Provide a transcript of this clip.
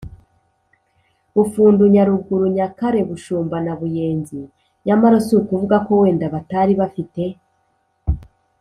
bufundu, nyaruguru, nyakare-bushumba na buyenzi. nyamara si ukuvuga ko wenda batari bafite